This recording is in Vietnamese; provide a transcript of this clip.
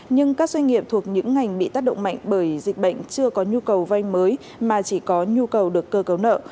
nhưng các doanh nghiệp thuộc những ngành bị tác động mạnh bởi dịch bệnh chưa có nhu cầu vay mới mà chỉ có nhu cầu được cơ cấu nợ